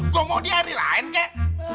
gua mau dia rilain kek